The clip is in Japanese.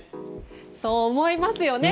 そう思いますよね。